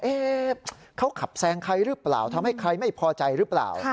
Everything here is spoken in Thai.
เขาขับแซงใครหรือเปล่าทำให้ใครไม่พอใจหรือเปล่า